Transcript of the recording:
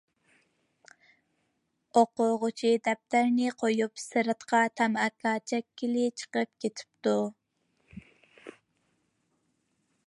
ئوقۇتقۇچى دەپتەرنى قويۇپ سىرتقا تاماكا چەككىلى چىقىپ كېتىپتۇ.